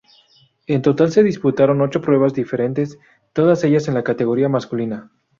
En total se disputaron ocho pruebas diferentes, todas ellas en la categoría masculina.